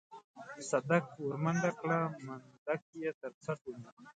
صدک ورمنډه کړه منډک يې تر څټ ونيوه.